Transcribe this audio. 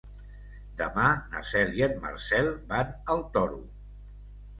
Demà na Cel i en Marcel van al Toro.